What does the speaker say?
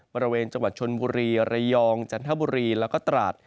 บริเวณจังหวัดชนบุรีระยองจันทบุรีแล้วก็ตราด